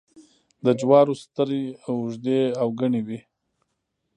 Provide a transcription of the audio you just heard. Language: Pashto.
د جوارو سترۍ اوږدې او گڼې وي.